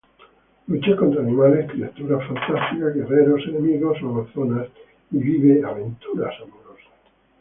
Lucha contra animales, criaturas fantásticas, guerreros enemigos o amazonas y vive aventuras amorosas.